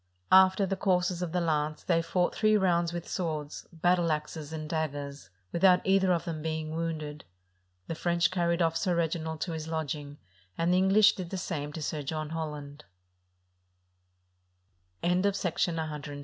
After the courses of the lance, they fought three rounds with swords, battle axes, and daggers, without either of them being wounded. The French carried off Sir Reginald to his lodging, and the English did the same to Sir John Holland.